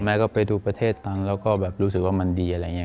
ก็ไปดูประเทศนั้นแล้วก็แบบรู้สึกว่ามันดีอะไรอย่างนี้